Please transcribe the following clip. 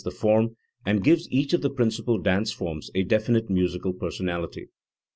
the form, and gives each of the principal dance forms a definite musical personality.